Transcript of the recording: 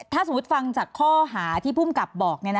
ถ้าสมมุติฟังจากข้อหาที่ภูมิกับบอก